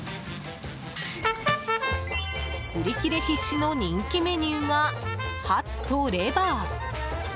売り切れ必至の人気メニューがハツとレバー。